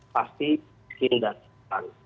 pasti miskin dan seorang